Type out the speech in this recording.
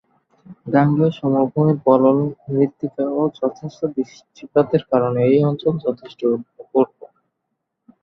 গাঙ্গেয় সমভূমির পলল মৃত্তিকা ও যথেচ্ছ বৃষ্টিপাতের কারণে এই অঞ্চল যথেষ্ট উর্বর।